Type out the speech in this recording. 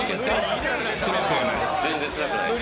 全然つらくないです。